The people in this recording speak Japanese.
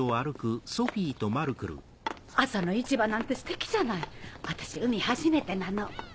朝の市場なんてステキじゃない私海初めてなの。